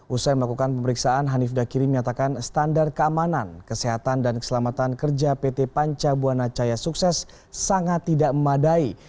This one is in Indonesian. usai melakukan pemeriksaan hanif dakiri menyatakan standar keamanan kesehatan dan keselamatan kerja pt panca buana caya sukses sangat tidak memadai